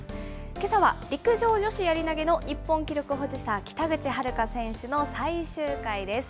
けさは、陸上女子やり投げの日本記録保持者、北口榛花選手の最終回です。